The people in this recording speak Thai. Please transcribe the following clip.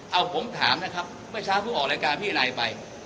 เอาผมถามนะครับเมื่อเช้าเพิ่งออกรายการพี่นายไป